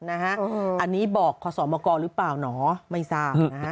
อันนี้บอกขอสอบมกรหรือเปล่าไม่ทราบ